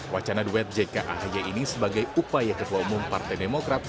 wacana duet jk ahy ini sebagai upaya ketua umum partai demokrat